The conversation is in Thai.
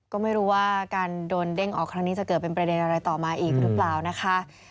ก็ไม่รู้ว่าการโดนเด้งออกครั้งนี้จะเกิดเป็นประเด็นอะไรต่อมาอีกหรือเปล่านะคะ